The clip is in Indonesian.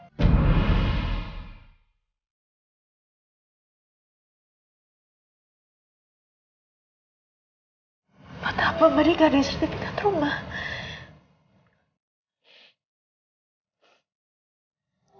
kenapa mbak nen gak ada sertifikat rumah